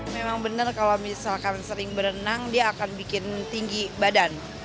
memang benar kalau misalkan sering berenang dia akan bikin tinggi badan